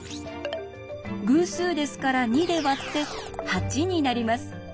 偶数ですから２で割って８になります。